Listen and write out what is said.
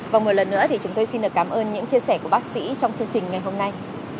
và một lần nữa thì chúng tôi xin được cảm ơn những chia sẻ của bác sĩ trong chương trình ngày hôm nay